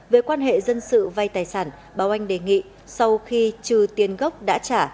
về quan hệ dân sự vay tài sản báo oanh đề nghị sau khi trừ tiền gốc đã trả